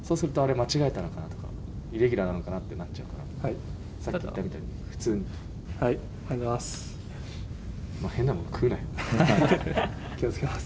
間違えたのかな？とか、イレギュラーなのかなってなっちゃうから、さっき言ったみたいにはい、ありがとうございます。